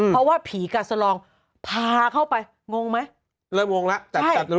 เพราะว่าผีกาสลองพาเข้าไปงงไหมเริ่มงงแล้ว